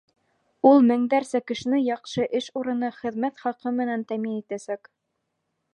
Ул меңдәрсә кешене яҡшы эш урыны, хеҙмәт хаҡы менән тәьмин итәсәк.